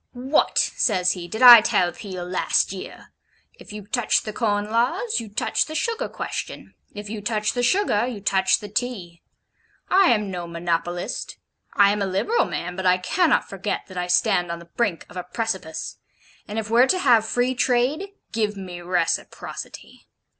'What,' says he, 'did I tell Peel last year? If you touch the Corn Laws, you touch the Sugar Question; if you touch the Sugar, you touch the Tea. I am no monopolist. I am a liberal man, but I cannot forget that I stand on the brink of a precipice; and if were to have Free Trade, give me reciprocity.